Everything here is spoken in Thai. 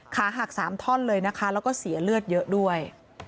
ขาหัก๓ท่อนเลยนะคะแล้วก็เสียเลือดเยอะด้วย